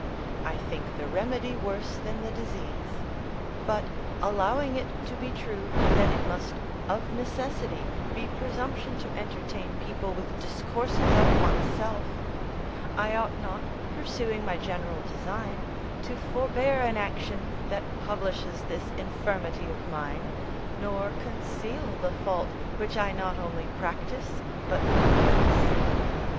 I think the remedy worse than the disease. But, allowing it to be true that it must of necessity be presumption to entertain people with discourses of one's self, I ought not, pursuing my general design, to forbear an action that publishes this infirmity of mine, nor conceal the fault which I not only practise but profess.